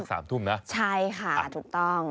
สามทุ่มนะใช่ค่ะถูกต้อง